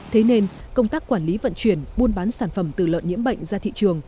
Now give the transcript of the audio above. thế nên công tác quản lý vận chuyển buôn bán sản phẩm từ lợn nhiễm bệnh ra thị trường